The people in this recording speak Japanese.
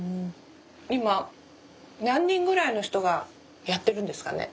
今何人ぐらいの人がやってるんですかね？